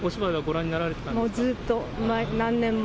もうずっと、何年も。